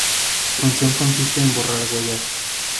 su función consiste en borrar huellas